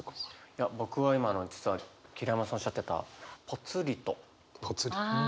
いや僕は今の実は桐山さんおっしゃってたぽつりと。ぽつり？